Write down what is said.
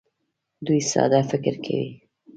دوی ساده فکر کوي.